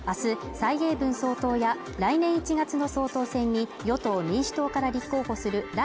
蔡英文総統や来年１月の総統選に与党民主党から立候補する頼